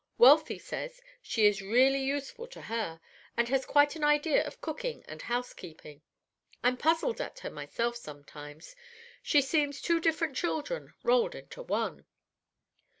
Wealthy says she is really useful to her, and has quite an idea of cooking and housekeeping. I'm puzzled at her myself sometimes. She seems two different children rolled into one."